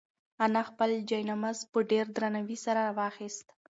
انا خپل جاینماز په ډېر درناوي سره راواخیست.